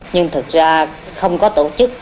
nhưng thật ra không có tổ chức